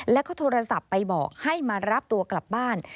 แล้วก็โทรศัพท์ไปบอกให้มารับตัวกลับบ้าน